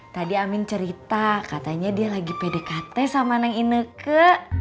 tadi amin cerita katanya dia lagi pdkt sama neng ineke